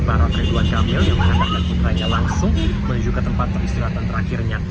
barat ridwan kamil yang mengantarkan putranya langsung menuju ke tempat peristirahatan terakhirnya